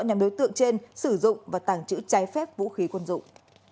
nhóm đối tượng trên sử dụng và tàng trữ trái phép vũ khí quân dụng